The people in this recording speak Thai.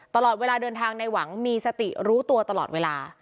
ตลอดเวลาเดินทางในหวังมีสติรู้ตัวตลอดเวลา